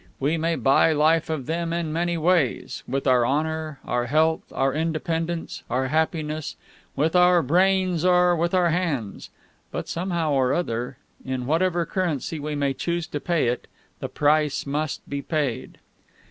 We may buy life of them in many ways: with our honor, our health, our independence, our happiness, with our brains or with our hands. But somehow or other, in whatever currency we may choose to pay it, the price must be paid.